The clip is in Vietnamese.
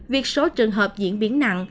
việc số trường hợp diễn biến nặng